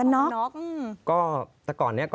สนุนโดยอีซุสุข